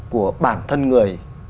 của bản thân người